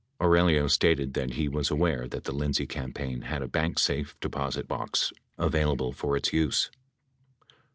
Aurelio stated that he was aware that the Lindsay campaign had a bank safe deposit box available for its use.